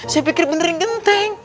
saya pikir benerin genteng